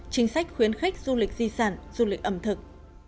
chính sách khuyến khích du lịch di sản du lịch ẩm thực